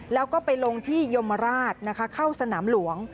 แล้วก็ไปลงที่ยมราชนะคะเข้าสนามหลวง